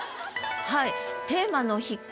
はい。